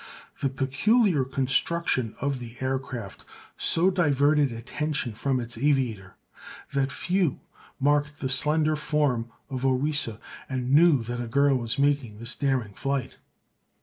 The peculiar construction of the aircraft so diverted attention from its aviator that few marked the slender form of Orissa, or knew that a girl was making this daring flight.